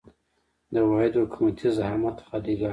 د واحد حکومتي زعامت خالیګاه.